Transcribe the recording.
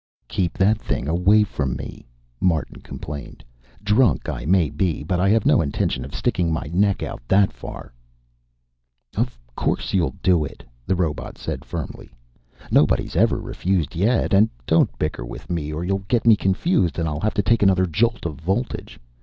"Keep that thing away from me," Martin complained. "Drunk I may be, but I have no intention of sticking my neck out that far." "Of course you'll do it," the robot said firmly. "Nobody's ever refused yet. And don't bicker with me or you'll get me confused and I'll have to take another jolt of voltage.